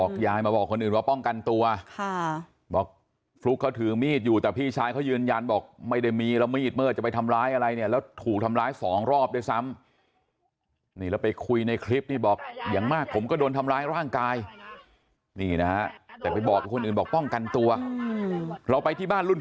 คือห่าว่าบอกกับเราแบบนั้นแต่เราไม่รู้ว่าความจริงเป็นยังไง